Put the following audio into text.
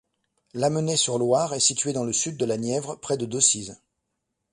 Lamenay-sur-Loire est située dans le Sud de la Nièvre, près de Decize.